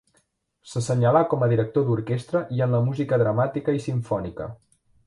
S'assenyalà com a director d'orquestra i en la música dramàtica i simfònica.